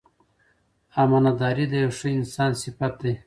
امانتداري د یو ښه انسان صفت دی.